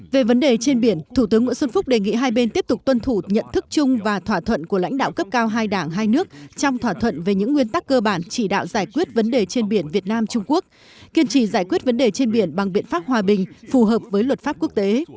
về vấn đề trên biển thủ tướng nguyễn xuân phúc đề nghị hai bên tiếp tục tuân thủ nhận thức chung và thỏa thuận của lãnh đạo cấp cao hai đảng hai nước trong thỏa thuận về những nguyên tắc cơ bản chỉ đạo giải quyết vấn đề trên biển việt nam trung quốc kiên trì giải quyết vấn đề trên biển bằng biện pháp hòa bình phù hợp với luật pháp quốc tế